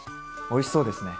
おいしそうですね。